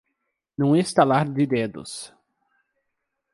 Num estalar de dedos